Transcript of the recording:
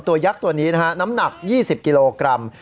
ยักษ์ตัวนี้นะฮะน้ำหนัก๒๐กิโลกรัม